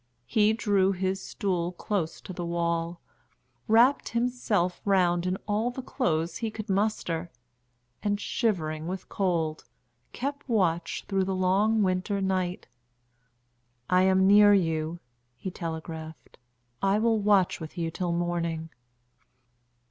He drew his stool close to the wall, wrapped himself round in all the clothes he could muster, and, shivering with cold, kept watch through the long winter night. "I am near you," he telegraphed. "I will watch with you till morning."